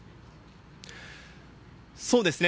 そうですね。